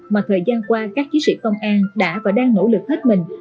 mà thời gian qua các chiến sĩ công an đã và đang nỗ lực hết mình